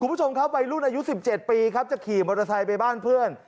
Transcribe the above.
คุณผู้ชมครับวัยรุ่นอายุ๑๗ปีครับจะขี่มอเตอร์ไซค์ไปบ้านเพื่อน